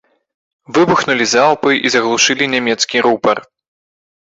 Выбухнулі залпы і заглушылі нямецкі рупар.